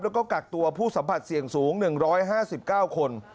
แล้วก็กักตัวผู้สัมผัสเสี่ยงสูง๑๕๙คน